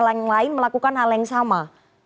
yang lain melakukan hal yang sama